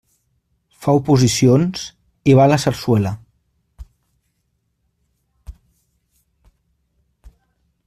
Fa oposicions i va a la sarsuela.